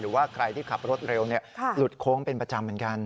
หรือว่าใครที่ขับรถเร็วหลุดโค้งเป็นประจำเหมือนกัน